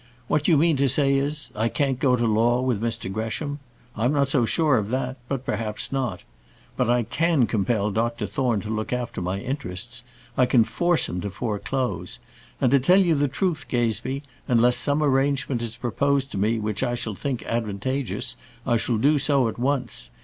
What you mean to say is I can't go to law with Mr Gresham; I'm not so sure of that; but perhaps not. But I can compel Dr Thorne to look after my interests. I can force him to foreclose. And to tell you the truth, Gazebee, unless some arrangement is proposed to me which I shall think advantageous, I shall do so at once.